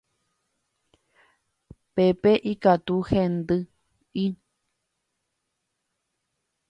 Pépe ikatu hendy'i.